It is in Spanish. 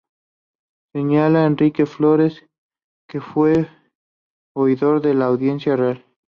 Señala Enrique Flórez que fue oidor de la Audiencia Real.